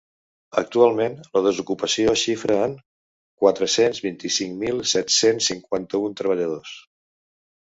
Actualment la desocupació es xifra en quatre-cents vint-i-cinc mil set-cents cinquanta-u treballadors.